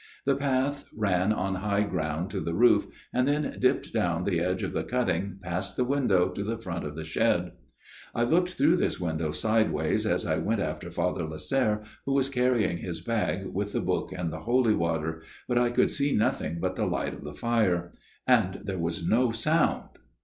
The path ran on high ground to the roof, and then dipped down the edge of the cutting past the window to the front of the shed. " I looked through this window sideways as I went after Father Lasserre who was carrying his bag with the book and the holy water, but I could see nothing but the light of the fire. And there was no sound.